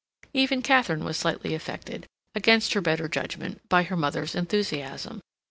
Even Katharine was slightly affected against her better judgment by her mother's enthusiasm.